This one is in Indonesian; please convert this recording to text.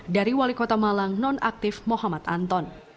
dari wali kota malang nonaktif muhammad anton